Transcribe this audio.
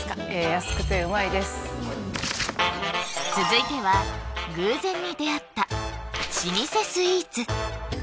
安くてうまいです続いては偶然に出会った老舗スイーツ